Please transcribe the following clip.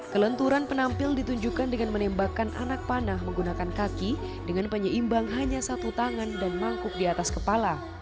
kelenturan penampil ditunjukkan dengan menembakkan anak panah menggunakan kaki dengan penyeimbang hanya satu tangan dan mangkuk di atas kepala